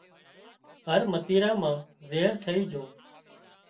هر متيرا مان زهر ٿئي جھون